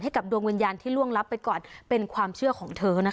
กับดวงวิญญาณที่ล่วงลับไปก่อนเป็นความเชื่อของเธอนะคะ